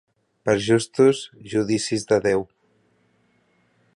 Per justos judicis de Déu.